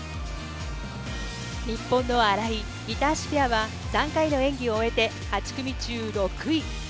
日本の荒井・板橋ペアは、３回の演技を終えて、８組中６位。